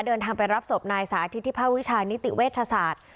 เดินทางไปรับศพนายสาธิตที่ภาควิชานิติเวชศาสตร์